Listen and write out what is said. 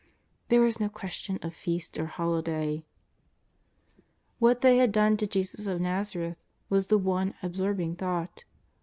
There was no question of Feast or holiday. What 364 JESUS OF NAZARETH. they had done to Jesus of Xazareth was the one ab sorbing thought.